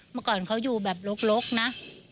เมื่อก่อนเขาอยู่แบบลกนะ